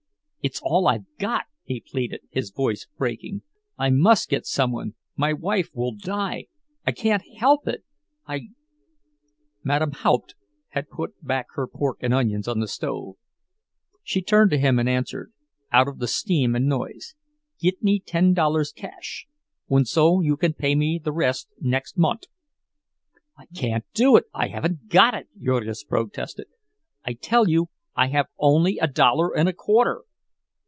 "It's all I've got," he pleaded, his voice breaking. "I must get some one—my wife will die. I can't help it—I—" Madame Haupt had put back her pork and onions on the stove. She turned to him and answered, out of the steam and noise: "Git me ten dollars cash, und so you can pay me the rest next mont'." "I can't do it—I haven't got it!" Jurgis protested. "I tell you I have only a dollar and a quarter."